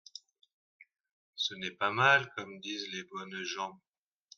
Ce n’est pas mal, comme disent les bonnes gens.